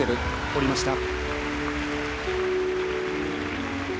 降りました。